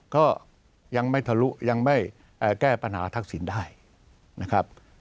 ก็ยังไม่ทะลุยังไม่แก้ปัญหาทักษิณได้นะครับ